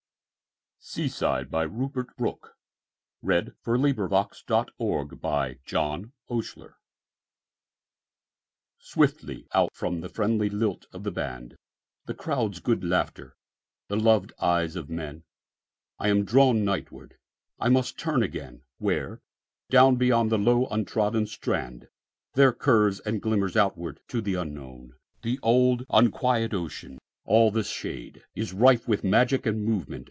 D Rupert Brooke (1887–1915). Collected Poems. 1916. I. 1905–1908 8. Seaside SWIFTLY out from the friendly lilt of the band, The crowd's good laughter, the loved eyes of men,I am drawn nightward; I must turn againWhere, down beyond the low untrodden strand, There curves and glimmers outward to the unknownThe old unquiet ocean. All the shadeIs rife with magic and movement.